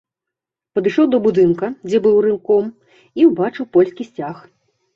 Падышоў да будынка, дзе быў рэўком, і ўбачыў польскі сцяг.